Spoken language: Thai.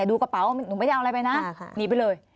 ดูกระเป๋าหนูไม่ได้เอาอะไรไปนะหนีไปเลย